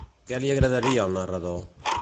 Què li agradaria al narrador?